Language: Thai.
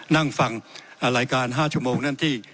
นั่งฟังรายการ๕ชั่วโมงนั่นที่